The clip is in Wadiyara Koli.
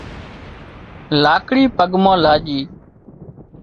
لاڪڙي پڳ مان لاڄي